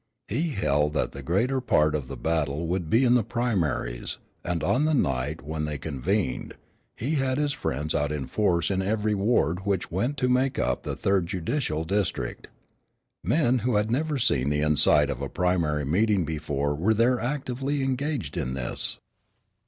He held that the greater part of the battle would be in the primaries, and on the night when they convened, he had his friends out in force in every ward which went to make up the third judicial district. Men who had never seen the inside of a primary meeting before were there actively engaged in this.